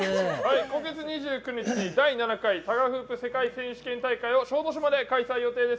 今月２９日に第７回タガフープ世界選手権大会を小豆島で開催予定です。